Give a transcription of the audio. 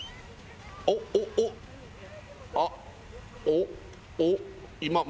おっ？